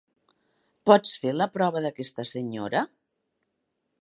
Pots fer la prova d'aquesta senyora?